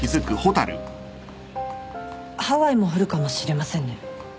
ハワイも降るかもしれませんね。